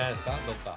どっか。